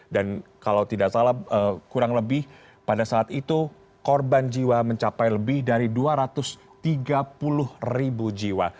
dan kalau tidak salah kurang lebih pada saat itu korban jiwa mencapai lebih dari dua ratus tiga puluh ribu jiwa